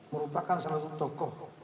merupakan salah satu tokoh